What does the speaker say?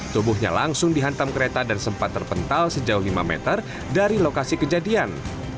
tubuhnya langsung dihantam kereta dan sempat terpental sejauh lima meter dari lokasi kejadian